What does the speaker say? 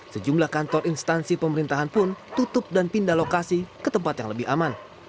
sejumlah kantor instansi pemerintahan pun tutup dan pindah lokasi ke tempat yang lebih aman